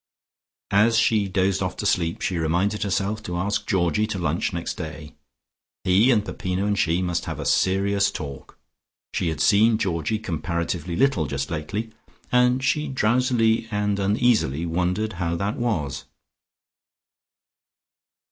As she dozed off to sleep, she reminded herself to ask Georgie to lunch next day. He and Peppino and she must have a serious talk. She had seen Georgie comparatively little just lately, and she drowsily and uneasily wondered how that was.